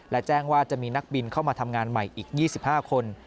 และแจ้งว่าจะมีนักบินเข้ามาทำงานใหม่อีก๒๕คน